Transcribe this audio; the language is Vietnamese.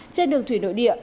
trên đường thủy nội địa